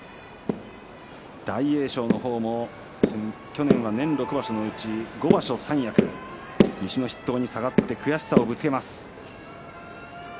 大栄翔の方も去年は６場所のうち５場所三役西の筆頭に下がって悔しさをぶつけます。